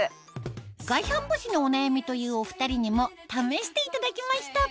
外反母趾にお悩みというお２人にも試していただきました